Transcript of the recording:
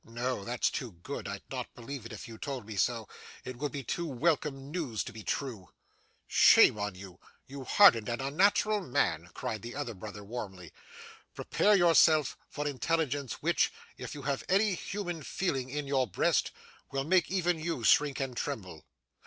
No, that's too good. I'd not believe it, if you told me so. It would be too welcome news to be true.' 'Shame on you, you hardened and unnatural man,' cried the other brother, warmly. 'Prepare yourself for intelligence which, if you have any human feeling in your breast, will make even you shrink and tremble.